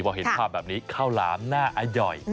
พอเห็นภาพแบบนี้ข้าวหลามน่าอร่อย